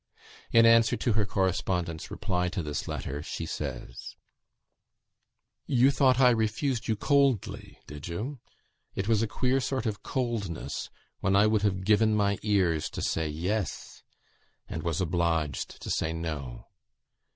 In answer to her correspondent's reply to this letter, she says: "You thought I refused you coldly, did you? It was a queer sort of coldness, when I would have given my ears to say Yes, and was obliged to say No.